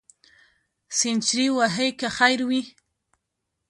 سینچري وهې که خیر وي.